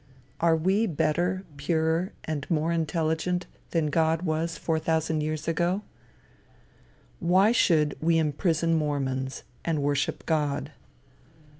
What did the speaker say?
Are we better, purer, and more intelligent than God was four thousand years ago? Why should we imprison Mormons, and worship God?